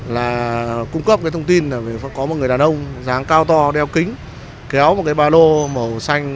là cung cấp cái thông tin là có một người đàn ông dáng cao to đeo kính kéo một cái ba lô màu xanh